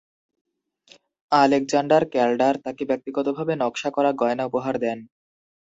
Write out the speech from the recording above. Alexander Calder তাকে ব্যক্তিগতভাবে নকশা করা গয়না উপহার দেন।